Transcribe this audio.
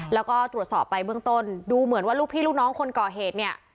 แล้วก็ตรวจสอบไปเบื้องต้นดูเหมือนว่าลูกพี่ลูกน้องคนก่อเหตุเนี่ย